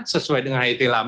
sesuai dengan it lama